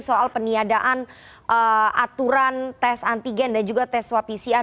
soal peniadaan aturan tes antigen dan juga tes swab pcr